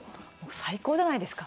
最高じゃないですか。